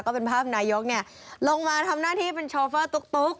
ก็เป็นภาพนายกลงมาทำหน้าที่เป็นโชเฟอร์ตุ๊ก